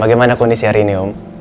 bagaimana kondisi hari ini om